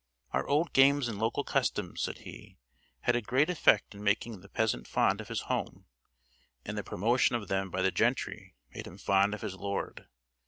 [G] "Our old games and local customs," said he, "had a great effect in making the peasant fond of his home, and the promotion of them by the gentry made him fond of his lord.